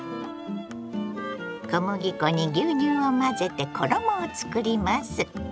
小麦粉に牛乳を混ぜて衣を作ります。